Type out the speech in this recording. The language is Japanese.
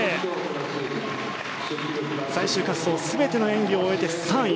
最終滑走全ての演技を終えて３位。